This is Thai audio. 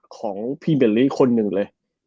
ของพีเบอร์ลีคนนึงเลย